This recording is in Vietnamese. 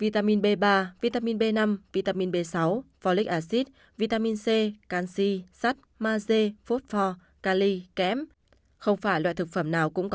tác dụng của dưa chuột